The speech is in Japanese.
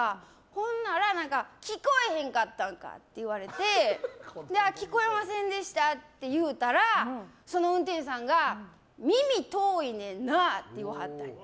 ほんなら聞こえへんかったんかって言って聞こえませんでしたって言うたらその運転手さんが耳、遠いねんなって言わはった。